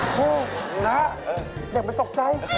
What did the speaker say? โธ่นะเด็กมันตกใจ